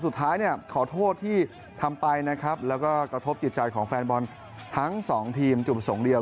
สุดท้ายเนี่ยขอโทษที่ทำไปนะครับแล้วก็กระทบจิตใจของแฟนบอลทั้งสองทีมจุดประสงค์เดียว